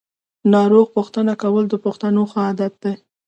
ناروغ پوښتنه کول د پښتنو ښه عادت دی.